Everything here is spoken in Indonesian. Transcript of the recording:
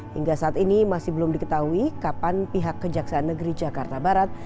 hingga saat ini masih belum diketahui kapan pihak kejaksaan negeri jakarta barat